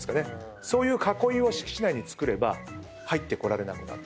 そういう囲いを敷地内に作れば入ってこられなくなると。